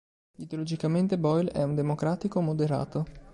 Ideologicamente Boyle è un democratico moderato.